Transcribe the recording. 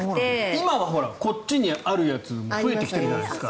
今はこっちにあるやつ増えてきてるじゃないですか。